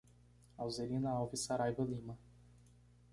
Alzerina Alves Saraiva Lima